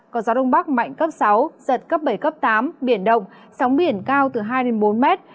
có gió đông bắc mạnh cấp sáu giật cấp bảy cấp tám biển động sóng biển cao từ hai đến bốn mét